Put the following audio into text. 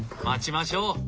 待ちましょう！